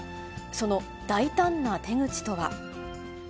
その大胆な手口とは。